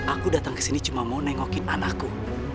aku datang kesini cuma mau nengokin anakku